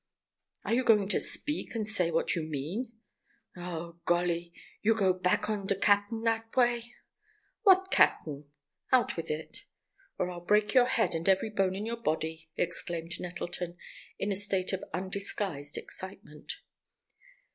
"Are you going to speak, and say what you mean?" "Oh, golly! You go back on de cap'n dat way!" "What cap'n? Out with it, or I'll break your head and every bone in your body," exclaimed Nettleton, in a state of undisguised excitement.